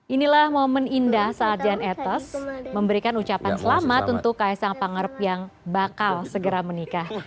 inilah momen indah saat jan etes memberikan ucapan selamat untuk kaisang pangarep yang bakal segera menikah